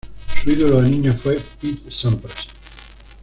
Su ídolo de niño fue Pete Sampras.